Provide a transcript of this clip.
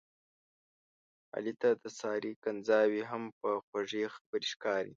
علي ته د سارې کنځاوې هم په خوږې خبرې ښکاري.